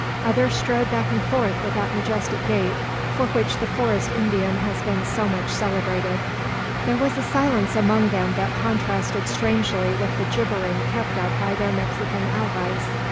Others strode back and forth with that majestic gait for which the forest Indian has been so much celebrated. There was a silence among them that contrasted strangely with the jabbering kept up by their Mexican allies.